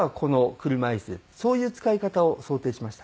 そういう使い方を想定しました。